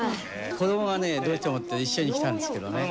子どもがね、どうしてもって言って一緒に来たんですけどね。